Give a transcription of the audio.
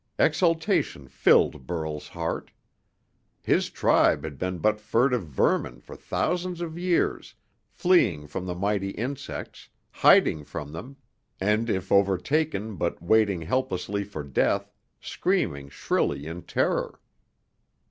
Exultation filled Burl's heart. His tribe had been but furtive vermin for thousands of years, fleeing from the mighty insects, hiding from them, and if overtaken but waiting helplessly for death, screaming shrilly in terror.